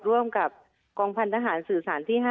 ร่วมกับกองพันธหารสื่อสารที่๕